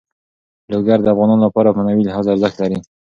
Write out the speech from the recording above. لوگر د افغانانو لپاره په معنوي لحاظ ارزښت لري.